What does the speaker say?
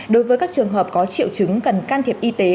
đối với các trường hợp có triệu chứng cần can thiệp y tế